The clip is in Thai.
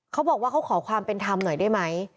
เขาบอกว่าเขาขอความเป็นธรรมหน่อยได้ไหม